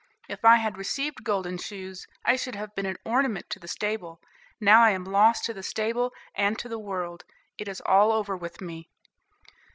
If I had received golden shoes I should have been an ornament to the stable; now I am lost to the stable and to the world. It is all over with me."